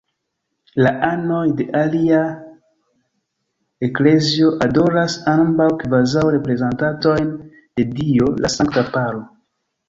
La anoj de ilia eklezio adoras ambaŭ kvazaŭ reprezentantojn de Dio: la Sankta Paro.